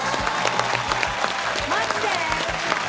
マジで？